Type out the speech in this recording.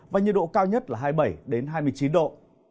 và nhiệt độ cao nhất là hai mươi bảy hai mươi chín độ